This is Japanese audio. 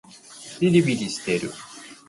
びりびりしてる